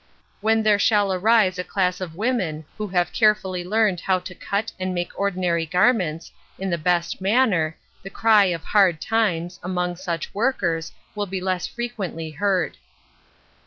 When there shall arise a class of women who have carefully learned how to cut and make ordinary garments, in the bes" manner, the cry of hard times, among such workers, will be less frequently heard.